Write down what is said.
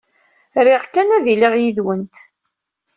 Riɣ kan ad iliɣ yid-went.